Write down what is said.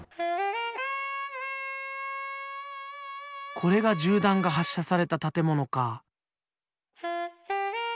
これが銃弾が発射された建物か。